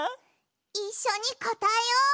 いっしょにこたえよう。